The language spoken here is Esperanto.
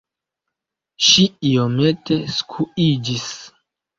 Ŝi iomete skuiĝis.